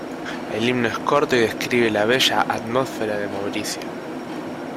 El himno es corto y describe la bella atmósfera de Mauricio.